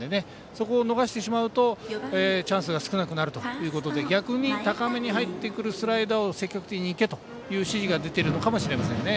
そこを逃してしまうとチャンスが少なくなるということで逆に高めに入ってくるスライダーを積極的に行けという指示が出ているかもしれませんね。